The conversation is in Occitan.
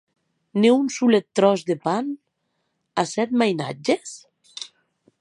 Ne un solet tròç de pan e sèt mainatges!